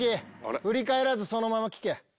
振り返らずそのまま聞け。